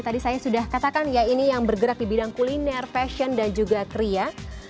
tadi saya sudah katakan ya ini yang bergerak di bidang kuliner fashion dan juga kria